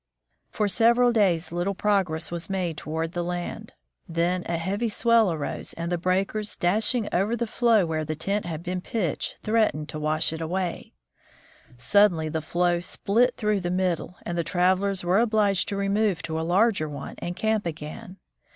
For several days little progress was made toward land. Then a heavy swell arose and the breakers dashing over the floe where the tent had been pitched threatened to wash it away. Nansen's Camp on the Drift Ice. Suddenly the floe split through the middle, and the travelers were obliged to remove to a larger one and camp again.